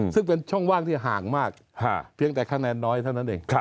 ซึ่งเป็นช่องว่างที่ห่างมากเพียงแต่คะแนนน้อยเท่านั้นเอง